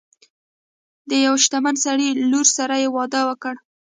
د یو شتمن سړي لور سره یې واده وکړ.